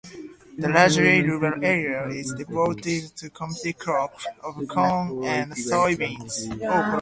The largely rural area is devoted to commodity crops of corn and soybeans.